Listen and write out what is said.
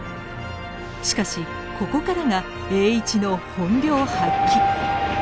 しかしここからが栄一の本領発揮。